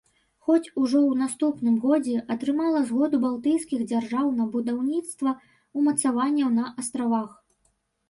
Хоць, ужо ў наступным годзе атрымала згоду балтыйскіх дзяржаў на будаўніцтва ўмацаванняў на астравах.